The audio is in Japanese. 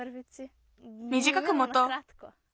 みじかくもとう。